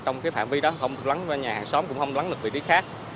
trong cái phạm vi đó không lắng vào nhà hàng xóm cũng không lắng được vị trí khác